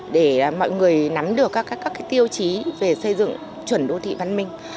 để mọi người nắm được các tiêu chí về xây dựng chuẩn đô thị văn minh